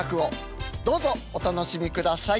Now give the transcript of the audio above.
どうぞお楽しみください。